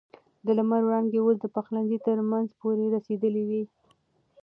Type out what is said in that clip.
د لمر وړانګې اوس د پخلنځي تر منځه پورې رسېدلې وې.